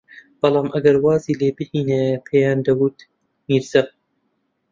بەڵام گەر وازی لێبھێنایە پێیان دەوت میرزا